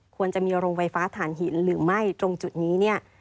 ควรจะมีโรงไฟฟ้าฐานหินหรือไม่ตรงจุดนี้เนี่ย